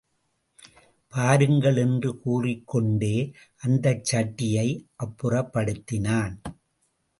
பாருங்கள் என்று கூறிக்கொண்டே, அந்தச் சட்டியை அப்புறப்படுத்தினான்.